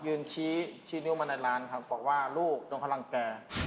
ชี้ชี้นิ้วมาในร้านครับบอกว่าลูกโดนพลังแก่